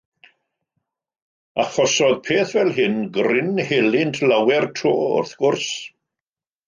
Achosodd peth fel hyn gryn helynt lawer tro, wrth gwrs.